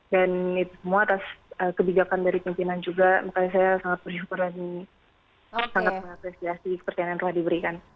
itu semua atas kebijakan dari pimpinan juga makanya saya sangat bersyukur dan sangat mengapresiasi kepercayaan yang telah diberikan